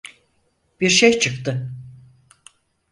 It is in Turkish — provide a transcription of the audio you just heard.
Bir şey çıktı.